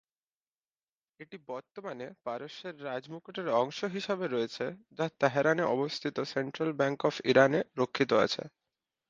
এটি বর্তমানে পারস্যের রাজ মুকুটের অংশ হিসেবে রয়েছে যা তেহরানে অবস্থিত সেন্ট্রাল ব্যাংক অফ ইরানে রক্ষিত আছে।